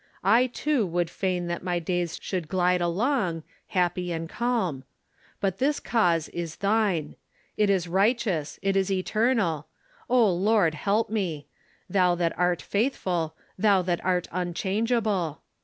I, too, would fain that ray days should glide along, happy and calm. But the cause is thine. It is righteous ; it is eternal. O Lord, help me ! Thou that art faithful, thou that art unchangeable